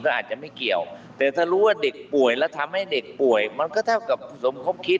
ก็อาจจะไม่เกี่ยวแต่ถ้ารู้ว่าเด็กป่วยแล้วทำให้เด็กป่วยมันก็เท่ากับสมคบคิด